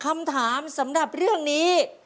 คำถามสำหรับเรื่องนี้